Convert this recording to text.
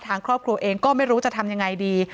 ทางครอบครัวเองก็ไม่รู้จะทำยังไงดี